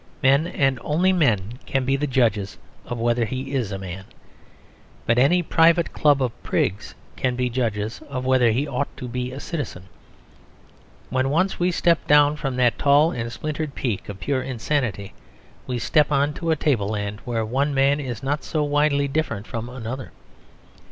Men, and only men, can be the judges of whether he is a man. But any private club of prigs can be judges of whether he ought to be a citizen. When once we step down from that tall and splintered peak of pure insanity we step on to a tableland where one man is not so widely different from another.